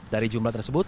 dari jumlah tersebut